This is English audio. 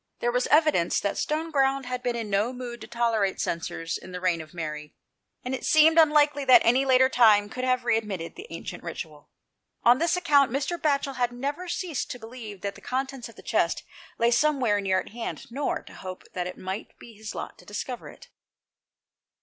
There was evidence that Stoneground 148 THE PLACE OE SAEETY. had been in no mood to tolerate censers in the reign of Mary, and it seemed unlikely that any later time could have re admitted the ancient ritual. On this account, Mr. Batchel had never ceased to believe that the contents of the chest lay somewhere near at hand, nor to hope that it might be his lot to discover it.